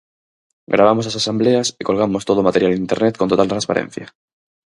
Gravamos as asembleas e colgamos todo o material en Internet con total transparencia.